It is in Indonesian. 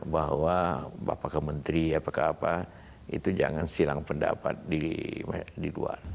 bahwa bapak ke menteri apakah apa itu jangan silang pendapat di luar